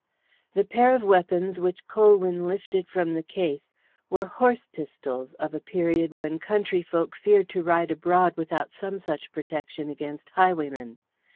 The pair of weapons which Colwyn lifted from the case were horse pistols of a period when countryfolk feared to ride abroad without some such protection against highwaymen.